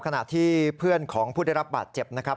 ขณะที่เพื่อนของผู้ได้รับบาดเจ็บนะครับ